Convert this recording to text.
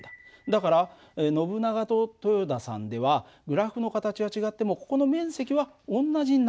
だからノブナガと豊田さんではグラフの形は違ってもここの面積は同じになるんだよ。